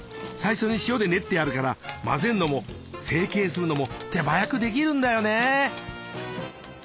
最初に塩で練ってあるから混ぜるのも成形するのも手早くできるんだよね。